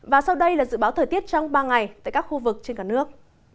và sau đây là dự báo thời tiết trong ba ngày tại các khu vực trên cả nước